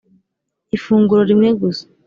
ifunguro rimwe gusa